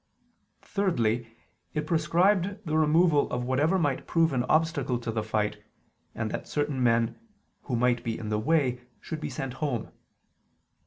Thirdly, it prescribed the removal of whatever might prove an obstacle to the fight, and that certain men, who might be in the way, should be sent home.